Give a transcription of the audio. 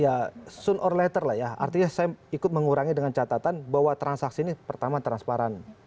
ya soon or letter lah ya artinya saya ikut mengurangi dengan catatan bahwa transaksi ini pertama transparan